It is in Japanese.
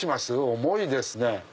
重いですね。